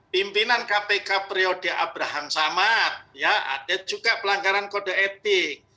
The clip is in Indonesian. pimpinan kpk periode abraham samad ya ada juga pelanggaran kode etik